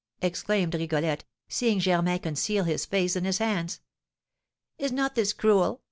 exclaimed Rigolette, seeing Germain conceal his face in his hands. "Is not this cruel?"